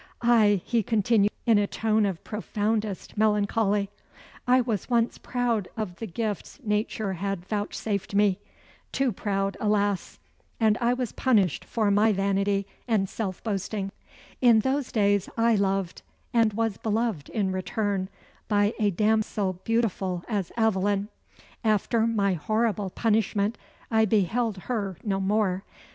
Ay," he continued, in a tone of profoundest melancholy, "I was once proud of the gifts nature had vouchsafed me; too proud, alas! and I was punished for my vanity and self boasting. In those days I loved and was beloved in return by a damsel beautiful as Aveline. After my horrible punishment, I beheld her no more.